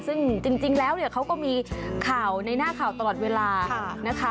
ซึ่งจริงแล้วเนี่ยเขาก็มีข่าวในหน้าข่าวตลอดเวลานะคะ